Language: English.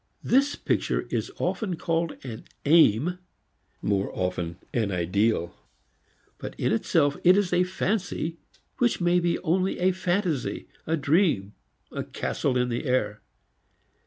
This picture is often called an aim, more often an ideal. But in itself it is a fancy which may be only a fantasy, a dream, a castle in the air.